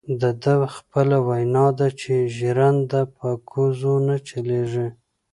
دده خپله وینا ده چې ژرنده په کوزو نه چلیږي.